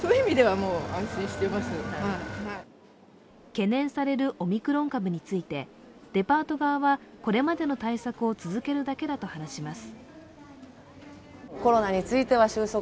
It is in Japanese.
懸念されるオミクロン株について、デパート側はこれまでの対策を続けるだけだと話します。